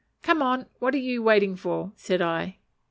"Come on! what are you waiting for?" said I.